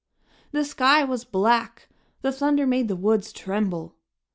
The sky was black, and thunder made the woods tremble.